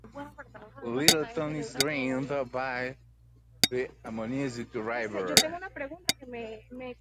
Littleton is drained by the Ammonoosuc River.